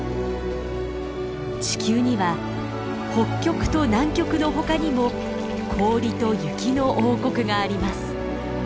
地球には北極と南極のほかにも氷と雪の王国があります。